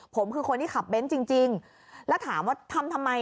ผมคือคนที่ขับเน้นจริงแล้วถามว่าทำทำไม